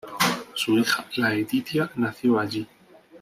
Su hija Laetitia nació allí.